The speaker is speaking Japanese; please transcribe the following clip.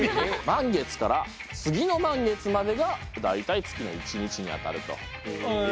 満月から次の満月までが大体月の１日にあたるということですね。